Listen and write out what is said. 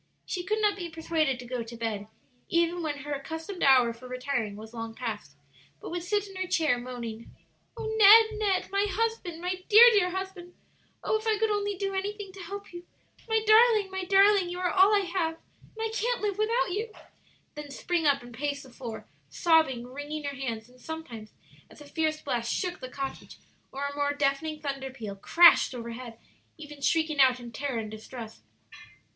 She could not be persuaded to go to bed, even when her accustomed hour for retiring was long past, but would sit in her chair, moaning, "O Ned! Ned! my husband, my dear, dear husband! Oh, if I could only do anything to help you! My darling, my darling! you are all I have, and I can't live without you!" then spring up and pace the floor, sobbing, wringing her hands, and sometimes, as a fierce blast shook the cottage or a more deafening thunder peal crashed over head, even shrieking out in terror and distress.